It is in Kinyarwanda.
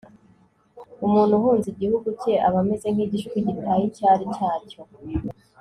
umuntu uhunze igihugu cye aba ameze nk'igishwi gitaye icyari cyacyo